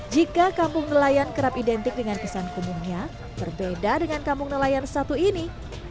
jika kampung nelayan kerap identik dengan kesan umumnya berbeda dengan kampung nelayan satu ini